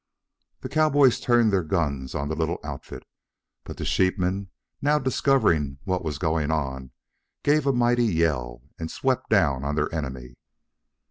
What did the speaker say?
The cowboys turned their guns on the little outfit, but the sheepmen now discovering what was going on, gave a mighty yell and swept down on their enemy.